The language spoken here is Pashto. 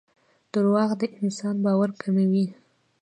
دراوغ دانسان باور کموي